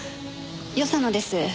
与謝野です。